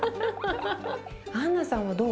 アンナさんはどう？